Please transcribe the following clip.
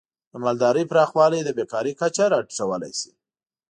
د مالدارۍ پراخوالی د بیکاری کچه راټیټولی شي.